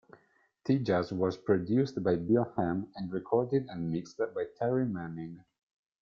"Tejas" was produced by Bill Ham and recorded and mixed by Terry Manning.